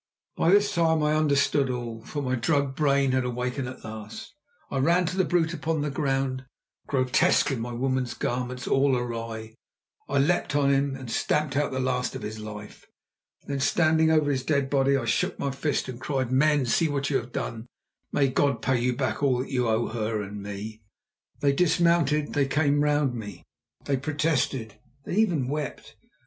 By this time I understood all, for my drugged brain had awakened at last. I ran to the brute upon the ground; grotesque in my woman's garments all awry, I leaped on him and stamped out the last of his life. Then, standing over his dead body, I shook my fists and cried: "Men, see what you have done. May God pay you back all you owe her and me!" They dismounted, they came round me, they protested, they even wept.